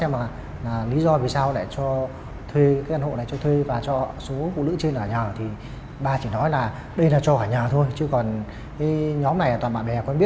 mà không thử nhận hành vi